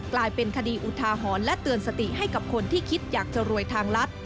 กลายเป็นคดีอุทาหรณ์และเตือนสติให้กับคนที่คิดอยากจะรวยทางรัฐ